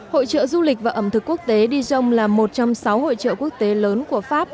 hội trợ du lịch và ẩm thực quốc tế đi dông là một trăm linh sáu hội trợ quốc tế lớn của pháp